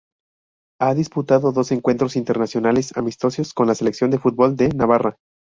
Ha disputado dos encuentros internacionales amistosos con la selección de fútbol de Navarra.